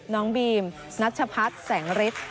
น้องบีมนัชพัฒน์แสงฤทธิ์